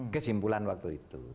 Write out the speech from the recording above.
kesimpulan waktu itu